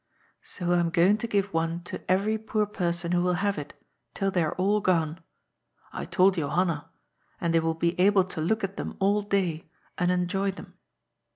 So I am going to give one to every poor person who will have it, till they are all gone. I told Jo hanna. And they will be able to look at them all day, and enjoy them.